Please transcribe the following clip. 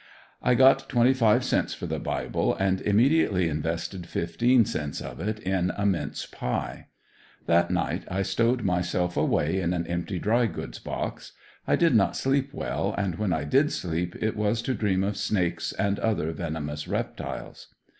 I got twenty five cents for the bible and immediately invested fifteen cents of it in a mince pie. That night I stowed myself away in an empty dry goods box. I did not sleep well, and when I did sleep it was to dream of snakes and other venomous reptiles.